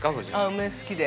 ◆梅、好きで。